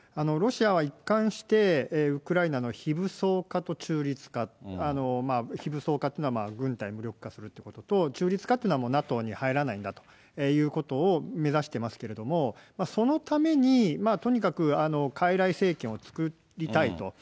ロシアは一貫して、ウクライナの非武装化と中立化、非武装化っていうのは、軍隊を無力化するということと、中立化というのはもうＮＡＴＯに入らないんだということを目指してますけれども、そのために、とにかく、かいらい政権を作りたいと。